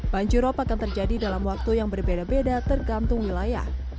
banjirop akan terjadi dalam waktu yang berbeda beda tergantung wilayah